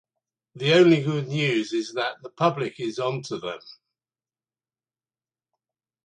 The only good news is that the public is on to them.